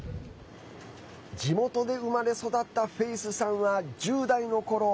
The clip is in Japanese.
地元で生まれ育ったフェイスさんは１０代のころ